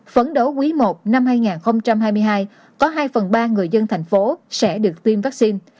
phấn đấu quý i năm hai nghìn hai mươi hai có hai phần ba người dân thành phố sẽ được tiêm vaccine